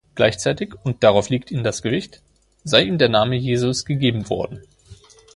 Gleichzeitig, und darauf liegt in das Gewicht, sei ihm der Name Jesus gegeben worden.